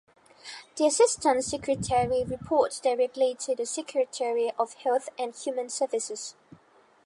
The Assistant Secretary reports directly to the Secretary of Health and Human Services.